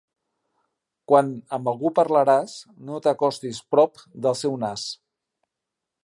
Quan amb algú parlaràs, no t'acostis prop del seu nas.